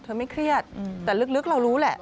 ไม่เครียดแต่ลึกเรารู้แหละ